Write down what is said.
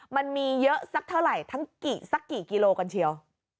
มันมีเยอะสักเท่าไหร่ทั้งสักกี่กิโลกันเชียว